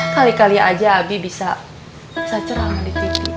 kali kali aja abie bisa cerama di tv